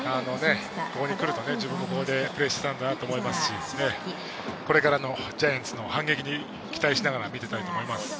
ここに来ると自分もここでプレーしてたんだなと思いますし、これからのジャイアンツの反撃を期待しながら見たいと思います。